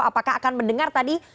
apakah akan mendengar tadi